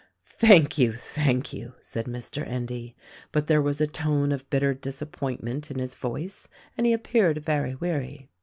"Thank you, thank you !" said Mr. Endy : but there was a tone of bitter disappointment in his voice, and he appeared very weary.